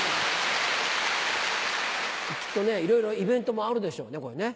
きっといろいろイベントもあるでしょうね。